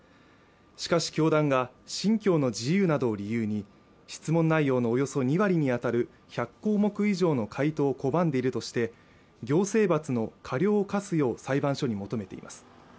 しかし教団が信教の自由などを理由に質問内容のおよそ２割にあたる１００項目以上の回答を拒んでいるとして行政罰の過料を科すよう裁判所に求めています